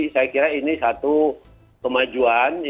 saya kira ini satu kemajuan